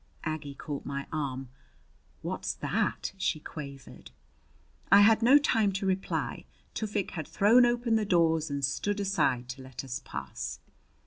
Aggie caught my arm. "What's that?" she quavered. I had no time to reply. Tufik had thrown open the door and stood aside to let us pass.